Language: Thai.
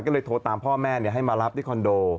ก็เลยโทรตามพ่อแม่ให้มารับที่คอนโด